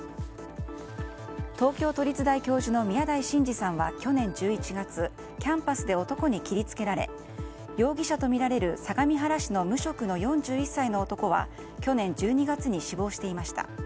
東京都立大教授の宮台真司さんは去年１１月、キャンパスで男に切り付けられ容疑者とみられる相模原市の無職の４１歳の男は去年１２月に死亡していました。